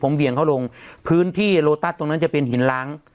เบี่ยงเขาลงพื้นที่โลตัสตรงนั้นจะเป็นหินล้าง